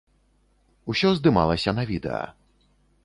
Усё здымалася на відэа.